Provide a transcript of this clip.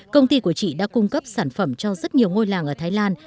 công ty của chị đã cung cấp sản phẩm cho rất nhiều ngôi làng ở thái lan